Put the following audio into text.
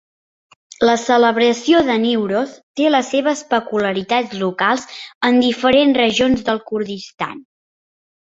La celebració de Newroz té les seves peculiaritats locals en diferents regions del Kurdistan.